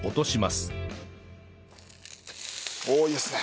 おおいいですね。